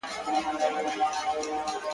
ګل پر څانګه غوړېدلی باغ سمسور سو.!